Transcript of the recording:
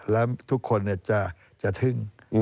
แล้วทุกคนจะทึ่ง